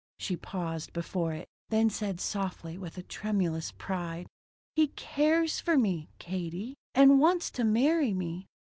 She paused before it, then said softly, with a tremulous pride: "He cares for me, Katie and wants to marry me."